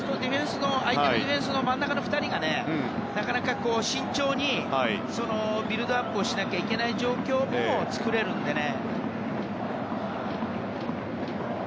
相手のディフェンスの真ん中の２人が慎重にビルドアップしないといけない状況を作れるのでね。